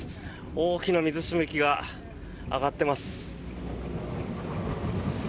大きな水しぶきが上がっています。